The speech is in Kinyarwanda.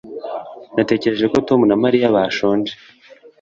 Natekereje ko Tom na Mariya bashonje